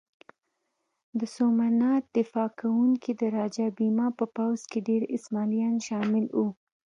د سومنات دفاع کوونکي د راجه بهیما په پوځ کې ډېر اسماعیلیان شامل وو.